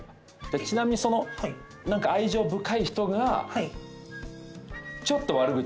ちなみに愛情深い人が。